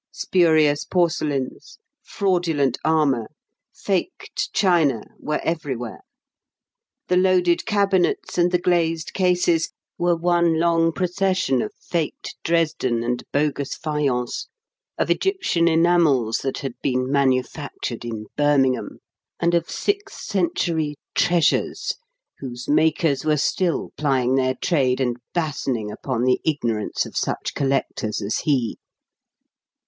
Spurious porcelains, fraudulent armour, faked china were everywhere. The loaded cabinets and the glazed cases were one long procession of faked Dresden and bogus faience, of Egyptian enamels that had been manufactured in Birmingham, and of sixth century "treasures" whose makers were still plying their trade and battening upon the ignorance of such collectors as he.